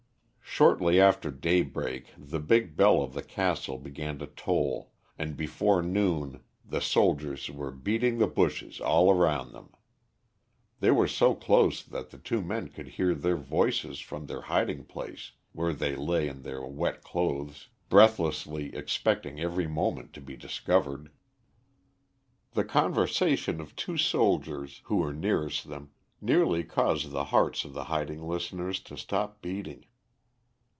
Shortly after daybreak the big bell of the castle began to toll, and before noon the soldiers were beating the bushes all around them. They were so close that the two men could hear their voices from their hiding place, where they lay in their wet clothes, breathlessly expecting every moment to be discovered. The conversation of two soldiers, who were nearest them, nearly caused the hearts of the hiding listeners to stop beating.